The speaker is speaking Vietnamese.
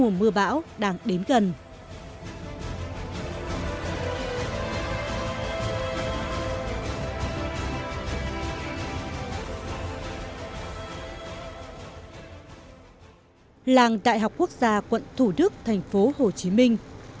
làng đại học quốc gia quận thủ đức thành phố hồ chí minh